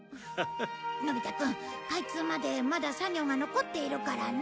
のび太くん開通までまだ作業が残っているからね。